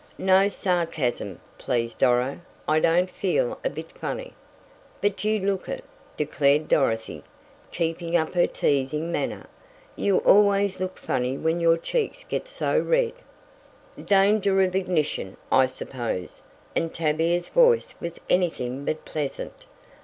"No sarcasm now, please, Doro. I don't feel a bit funny." "But you look it," declared Dorothy, keeping up her teasing manner. "You always look funny when your cheeks get so red " "Danger of ignition, I suppose," and Tavia's voice was anything but pleasant.